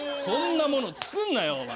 そんなものつくんなよ！